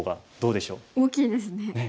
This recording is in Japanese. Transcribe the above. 大きいですね。